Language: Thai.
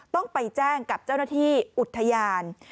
ต้องไปแจ้งกับเจ้าหน้าที่อุทยาน